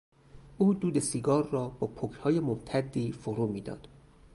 او دود سیگار را با پکهای ممتدی فرو میداد.